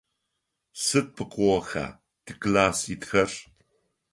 Сыд пкъыгъоха тикласс итхэр?